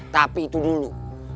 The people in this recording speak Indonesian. tapi itu dulu